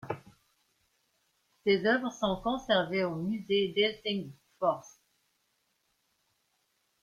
Ses oeuvres sont conservées au musée d'Helsingfors.